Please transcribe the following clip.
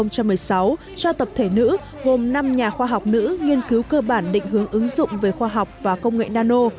cho tập thể nữ gồm năm nhà khoa học nữ nghiên cứu cơ bản định hướng ứng dụng về khoa học và công nghệ nano